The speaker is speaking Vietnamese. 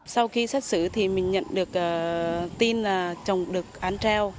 sau khi xét xử thì mình nhận được tin là chồng được án treo